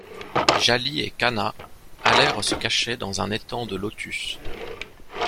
Jali et Kanha allèrent se cacher dans un étang de lotus.